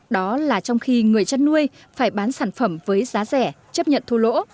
đó là trong khi người chăn nuôi phải bán sản phẩm với giá rẻ chấp nhận thu lỗ